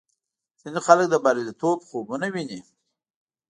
ځینې خلک د بریالیتوب خوبونه ویني.